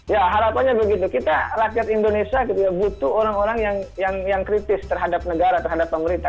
ya harapannya begitu kita rakyat indonesia gitu ya butuh orang orang yang kritis terhadap negara terhadap pemerintah